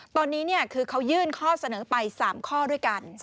ตอนนี้คือเขายื่นข้อเสนอไป๓ข้อด้วยกัน